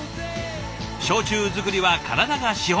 焼酎づくりは体が資本。